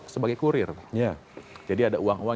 sebagai kurir jadi ada uang uang